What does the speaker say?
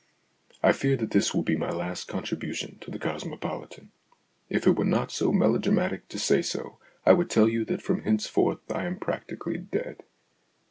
I fear that this will be my last contribu tion to The Cosmopolitan. If it were not so melodramatic to say so, I would tell you that from henceforth I am practically dead.